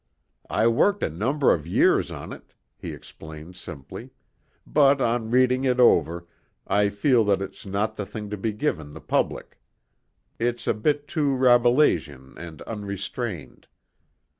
"I worked a number of years on it," he explained simply, "but on reading it over I feel that it's not the thing to be given the public. It's a bit too Rabelaisian and unrestrained.